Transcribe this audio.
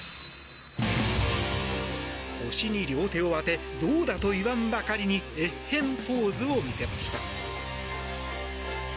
腰に両手を当てどうだと言わんばかりにえっへんポーズを見せました。